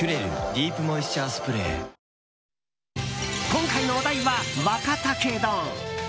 今回のお題は、若竹丼。